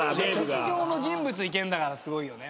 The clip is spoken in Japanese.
歴史上の人物いけんだからすごいよね